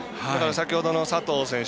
先ほどの佐藤選手